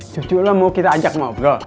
jujur lah mau kita ajak maaf ga